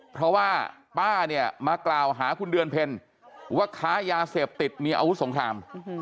เพราะว่าป้าเนี่ยมากล่าวหาคุณเดือนเพลว่าค้ายาเสพติดมีอาวุธสงคราม